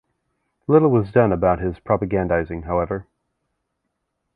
Little was done about his propagandizing however.